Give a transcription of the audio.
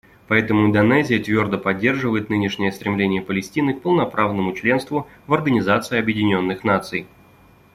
Поэтому Индонезия твердо поддерживает нынешнее стремление Палестины к полноправному членству в Организации Объединенных Наций.